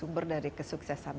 dan juga ke séknow